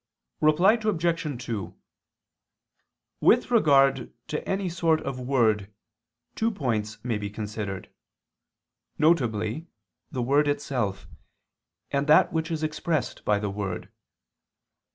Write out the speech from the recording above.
Reply Obj. 2: With regard to any sort of word, two points may be considered: viz. the word itself, and that which is expressed by the word.